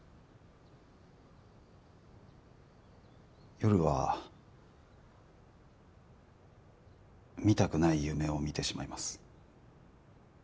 夜は見たくない夢を見てしまいます。